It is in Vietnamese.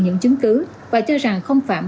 những chứng cứ và cho rằng không phạm